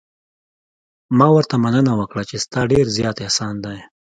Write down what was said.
ما ورته مننه وکړه چې ستا ډېر زیات احسان دی.